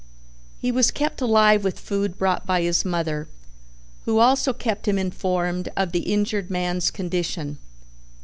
He was kept alive with food brought by his mother, who also kept him informed of the injured man's condition.